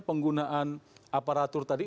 penggunaan aparatur tadi